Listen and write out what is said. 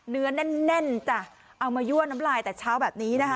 เนื้อแน่นแน่นจ้ะเอามายั่วน้ำลายแต่เช้าแบบนี้นะคะ